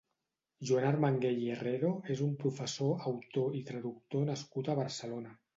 Joan Armangué i Herrero és un professor, autor i traductor nascut a Barcelona.